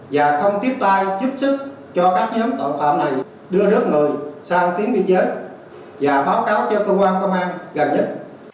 và không tiếp tay giúp sức cho các nhóm tội phạm này đưa đứa người sang tiếng biên giới và báo cáo cho công an gần nhất